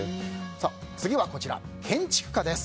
次は、建築家です。